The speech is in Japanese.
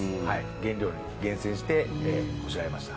原料に厳選してこしらえました。